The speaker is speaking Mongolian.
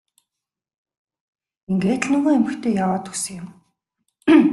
Ингээд л нөгөө эмэгтэй яваад өгсөн юм.